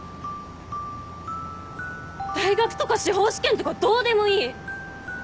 大学とか司法試験とかどうでもいい。